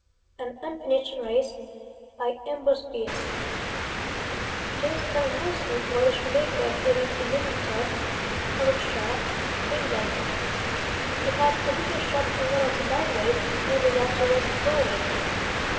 AN UNFINISHED RACE JAMES BURNE WORSON was a shoemaker who lived in Leamington, Warwickshire, England. He had a little shop in one of the by ways leading off the road to Warwick.